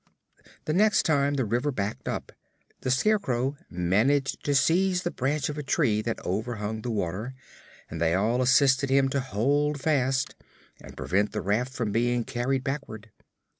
The next time the river backed up the Scarecrow managed to seize the branch of a tree that overhung the water and they all assisted him to hold fast and prevent the raft from being carried backward.